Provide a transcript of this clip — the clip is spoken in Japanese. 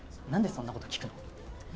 何でそんなこと聞くの？